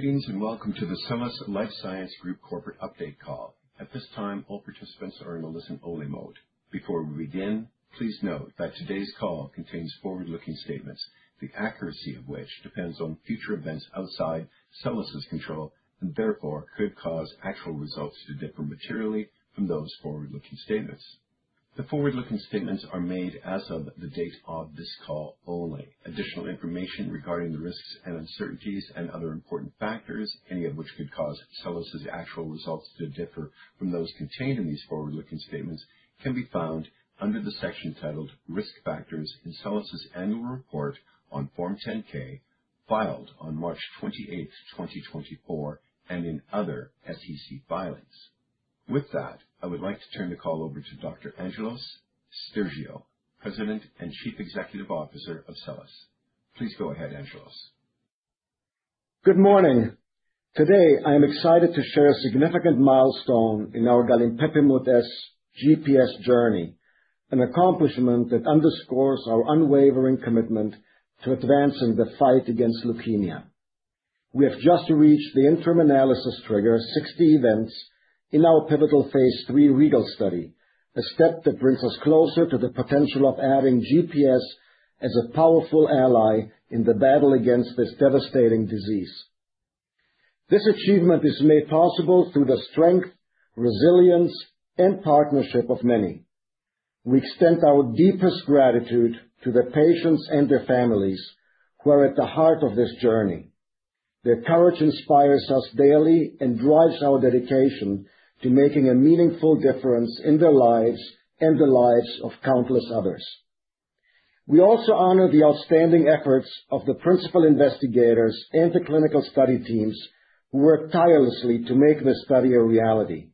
Greetings and welcome to the SELLAS Life Sciences Group corporate update call. At this time, all participants are in a listen-only mode. Before we begin, please note that today's call contains forward-looking statements, the accuracy of which depends on future events outside SELLAS's control and therefore could cause actual results to differ materially from those forward-looking statements. The forward-looking statements are made as of the date of this call only. Additional information regarding the risks and uncertainties and other important factors, any of which could cause SELLAS's actual results to differ from those contained in these forward-looking statements, can be found under the section titled Risk Factors in SELLAS's Annual Report on Form 10-K, filed on March 28, 2024, and in other SEC filings. With that, I would like to turn the call over to Dr. Angelos Stergiou, President and Chief Executive Officer of SELLAS. Please go ahead, Angelos. Good morning. Today, I am excited to share a significant milestone in our Galinpepimut-S GPS journey, an accomplishment that underscores our unwavering commitment to advancing the fight against leukemia. We have just reached the interim analysis trigger 60 events in our pivotal phase III REGAL study, a step that brings us closer to the potential of having GPS as a powerful ally in the battle against this devastating disease. This achievement is made possible through the strength, resilience, and partnership of many. We extend our deepest gratitude to the patients and their families who are at the heart of this journey. Their courage inspires us daily and drives our dedication to making a meaningful difference in their lives and the lives of countless others. We also honor the outstanding efforts of the principal investigators and the clinical study teams who worked tirelessly to make this study a reality.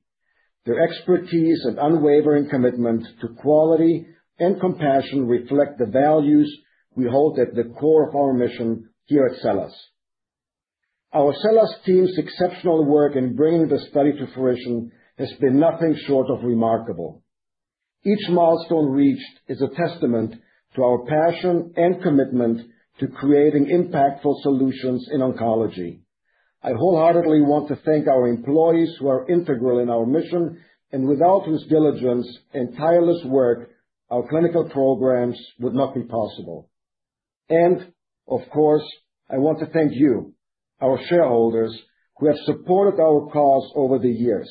Their expertise and unwavering commitment to quality and compassion reflect the values we hold at the core of our mission here at SELLAS. Our SELLAS team's exceptional work in bringing this study to fruition has been nothing short of remarkable. Each milestone reached is a testament to our passion and commitment to creating impactful solutions in oncology. I wholeheartedly want to thank our employees who are integral in our mission, and without whose diligence and tireless work, our clinical programs would not be possible. And, of course, I want to thank you, our shareholders, who have supported our cause over the years.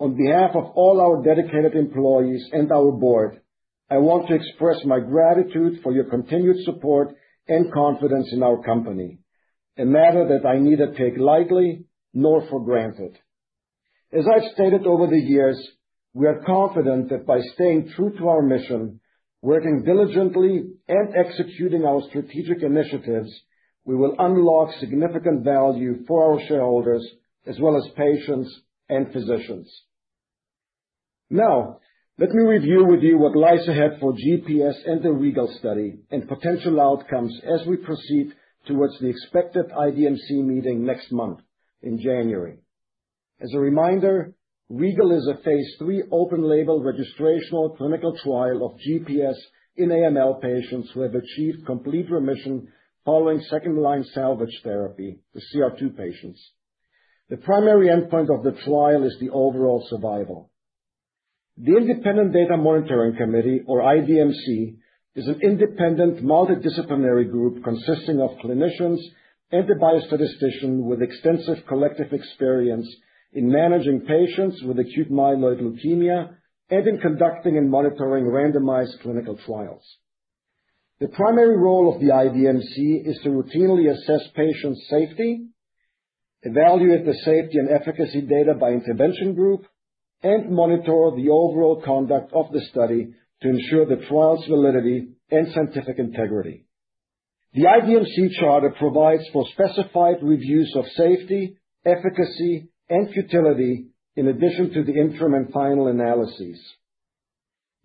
On behalf of all our dedicated employees and our board, I want to express my gratitude for your continued support and confidence in our company, a matter that I neither take lightly nor for granted. As I've stated over the years, we are confident that by staying true to our mission, working diligently, and executing our strategic initiatives, we will unlock significant value for our shareholders as well as patients and physicians. Now, let me review with you what lies ahead for GPS and the REGAL study and potential outcomes as we proceed towards the expected IDMC meeting next month in January. As a reminder, REGAL is a phase III open-label registrational clinical trial of GPS in AML patients who have achieved complete remission following second-line salvage therapy, the CR2 patients. The primary endpoint of the trial is the overall survival. The Independent Data Monitoring Committee, or IDMC, is an independent multidisciplinary group consisting of clinicians and a biostatistician with extensive collective experience in managing patients with acute myeloid leukemia and in conducting and monitoring randomized clinical trials. The primary role of the IDMC is to routinely assess patient safety, evaluate the safety and efficacy data by intervention group, and monitor the overall conduct of the study to ensure the trial's validity and scientific integrity. The IDMC charter provides for specified reviews of safety, efficacy, and futility, in addition to the interim and final analyses.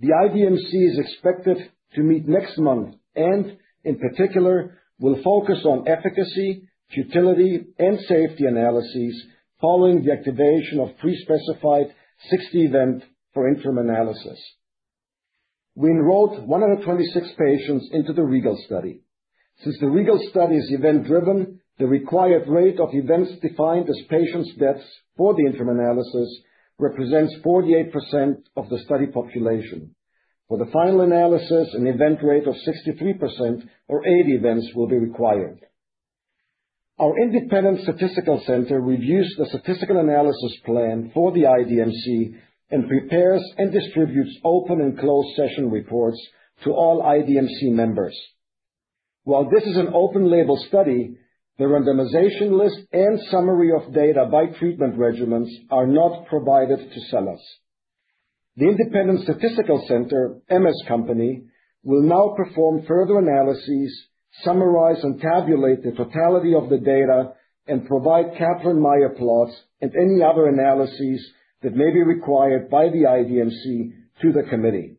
The IDMC is expected to meet next month and, in particular, will focus on efficacy, futility, and safety analyses following the activation of pre-specified 60 events for interim analysis. We enrolled 126 patients into the REGAL study. Since the REGAL study is event-driven, the required rate of events defined as patient deaths for the interim analysis represents 48% of the study population. For the final analysis, an event rate of 63% or 80 events will be required. Our Independent Statistical Center reviews the statistical analysis plan for the IDMC and prepares and distributes open and closed session reports to all IDMC members. While this is an open-label study, the randomization list and summary of data by treatment regimens are not provided to SELLAS. The Independent Statistical Center, Emmes Company, will now perform further analyses, summarize and tabulate the totality of the data, and provide Kaplan-Meier plots and any other analyses that may be required by the IDMC to the committee.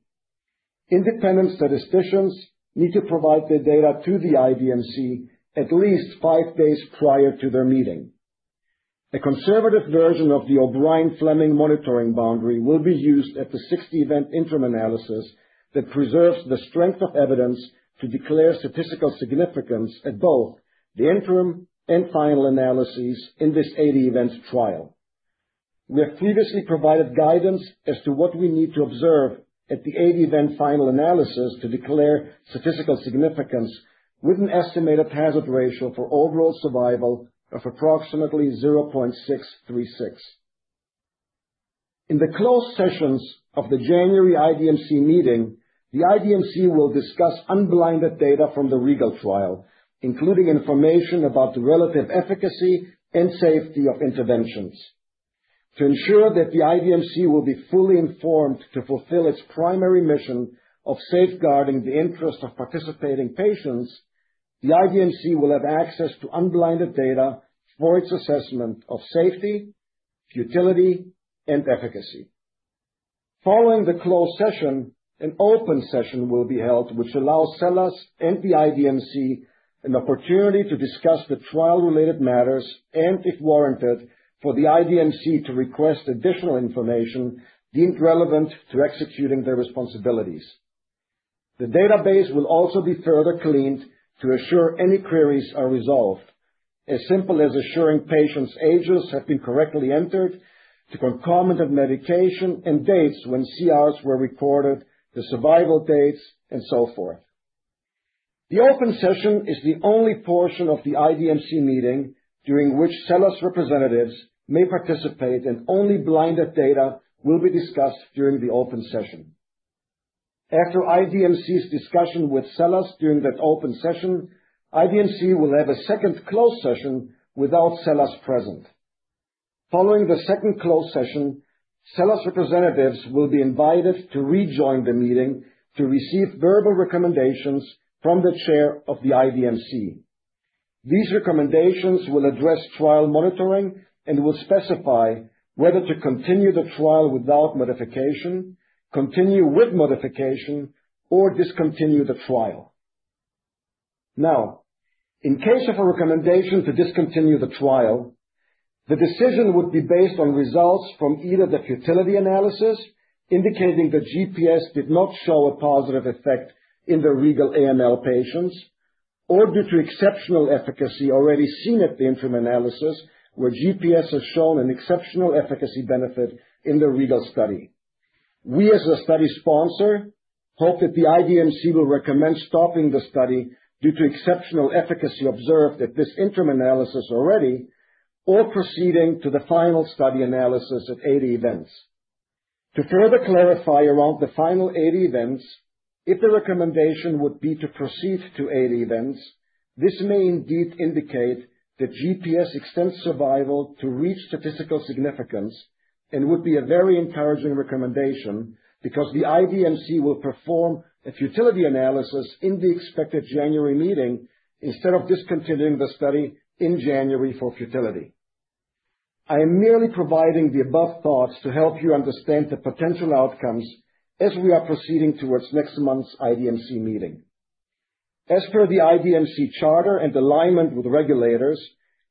Independent statisticians need to provide their data to the IDMC at least five days prior to their meeting. A conservative version of the O'Brien-Fleming monitoring boundary will be used at the 60-event interim analysis that preserves the strength of evidence to declare statistical significance at both the interim and final analyses in this 80-event trial. We have previously provided guidance as to what we need to observe at the 80-event final analysis to declare statistical significance with an estimated hazard ratio for overall survival of approximately 0.636. In the closed sessions of the January IDMC meeting, the IDMC will discuss unblinded data from the REGAL trial, including information about the relative efficacy and safety of interventions. To ensure that the IDMC will be fully informed to fulfill its primary mission of safeguarding the interest of participating patients, the IDMC will have access to unblinded data for its assessment of safety, futility, and efficacy. Following the closed session, an open session will be held, which allows SELLAS and the IDMC an opportunity to discuss the trial-related matters and, if warranted, for the IDMC to request additional information deemed relevant to executing their responsibilities. The database will also be further cleaned to assure any queries are resolved, as simple as assuring patients' ages have been correctly entered, to concomitant medication and dates when CRs were recorded, the survival dates, and so forth. The open session is the only portion of the IDMC meeting during which SELLAS representatives may participate, and only blinded data will be discussed during the open session. After IDMC's discussion with SELLAS during that open session, IDMC will have a second closed session without SELLAS present. Following the second closed session, SELLAS representatives will be invited to rejoin the meeting to receive verbal recommendations from the chair of the IDMC. These recommendations will address trial monitoring and will specify whether to continue the trial without modification, continue with modification, or discontinue the trial. Now, in case of a recommendation to discontinue the trial, the decision would be based on results from either the futility analysis indicating that GPS did not show a positive effect in the REGAL AML patients or due to exceptional efficacy already seen at the interim analysis, where GPS has shown an exceptional efficacy benefit in the REGAL study. We, as the study sponsor, hope that the IDMC will recommend stopping the study due to exceptional efficacy observed at this interim analysis already or proceeding to the final study analysis at 80 events. To further clarify around the final 80 events, if the recommendation would be to proceed to 80 events, this may indeed indicate that GPS extends survival to reach statistical significance and would be a very encouraging recommendation because the IDMC will perform a futility analysis in the expected January meeting instead of discontinuing the study in January for futility. I am merely providing the above thoughts to help you understand the potential outcomes as we are proceeding towards next month's IDMC meeting. As per the IDMC charter and alignment with regulators,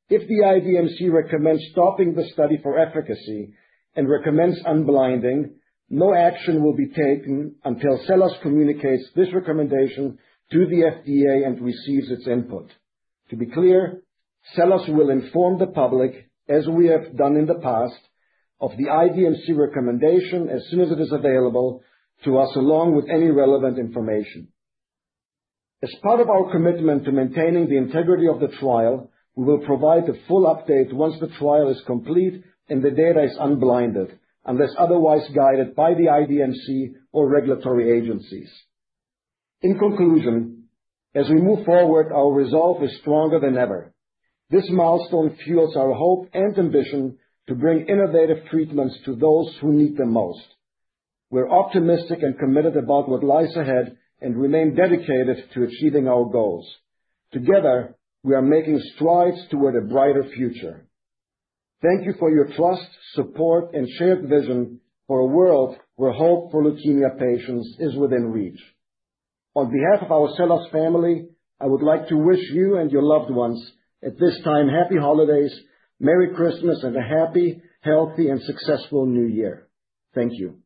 if the IDMC recommends stopping the study for efficacy and recommends unblinding, no action will be taken until SELLAS communicates this recommendation to the FDA and receives its input. To be clear, SELLAS will inform the public, as we have done in the past, of the IDMC recommendation as soon as it is available to us along with any relevant information. As part of our commitment to maintaining the integrity of the trial, we will provide the full update once the trial is complete and the data is unblinded, unless otherwise guided by the IDMC or regulatory agencies. In conclusion, as we move forward, our resolve is stronger than ever. This milestone fuels our hope and ambition to bring innovative treatments to those who need them most. We're optimistic and committed about what lies ahead and remain dedicated to achieving our goals. Together, we are making strides toward a brighter future. Thank you for your trust, support, and shared vision for a world where hope for leukemia patients is within reach. On behalf of our SELLAS family, I would like to wish you and your loved ones at this time happy holidays, Merry Christmas, and a happy, healthy, and successful New Year. Thank you.